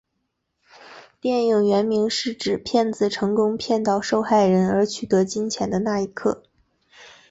电影原名是指骗子成功骗倒受害人而取得金钱的那一刻。